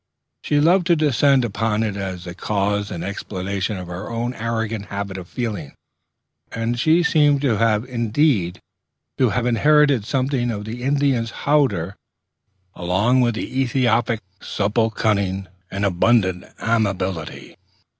She loved to descant upon it as the cause and explanation of her own arrogant habit of feeling; and she seemed indeed to have inherited something of the Indian's hauteur along with the Ethiop's supple cunning and abundant amiability.